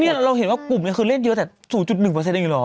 เราเห็นว่ากลุ่มนี้คือเล่นเยอะแต่๐๑เองเหรอ